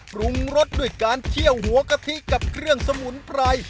ปรุงรสด้วยการเคี่ยวหัวกะทิกับเครื่องสมุนไพร